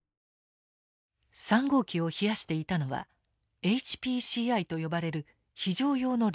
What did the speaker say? ３号機を冷やしていたのはＨＰＣＩと呼ばれる非常用の冷却装置。